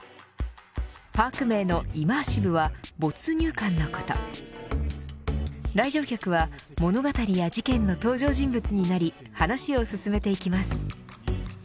パーク名のイマーシブは没入感のこと来場客は物語や事件の登場人物になり話を進めていきます。